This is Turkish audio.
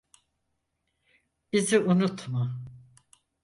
Bizi unutma.